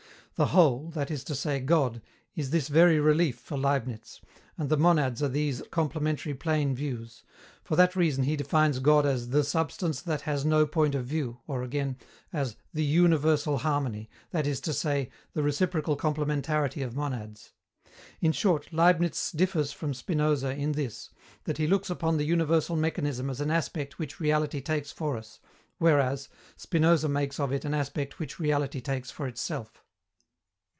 The Whole, that is to say, God, is this very relief for Leibniz, and the monads are these complementary plane views; for that reason he defines God as "the substance that has no point of view," or, again, as "the universal harmony," that is to say, the reciprocal complementarity of monads. In short, Leibniz differs from Spinoza in this, that he looks upon the universal mechanism as an aspect which reality takes for us, whereas, Spinoza makes of it an aspect which reality takes for itself.